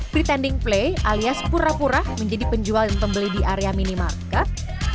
pretanding play alias pura pura menjadi penjual dan pembeli di area minimarket